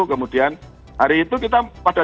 kemudian hari itu kita pada